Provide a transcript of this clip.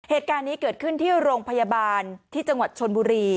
เหตุการณ์นี้เกิดขึ้นที่โรงพยาบาลที่จังหวัดชนบุรี